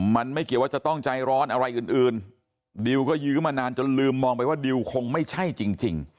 มันไม่เกี่ยวว่าจะต้องใจร้อนอะไรอื่นดิวก็ยื้อมานานจนลืมมองไปว่าดิวคงไม่ใช่จริง